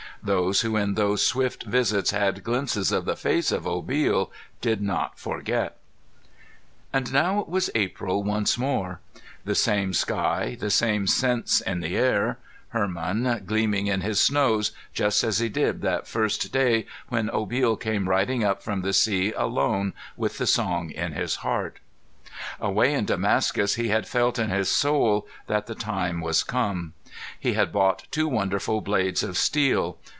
Those who in those swift visits had glimpses of the face of Obil did not forget. And now it was April once more; the same sky, the same scents in the air; Hermon gleaming in his snows just as he did that first day when Obil came riding up from the sea alone with the song in his heart. Away in Damascus he had felt in his soul that the time was come. He had bought two wonderful blades of steel.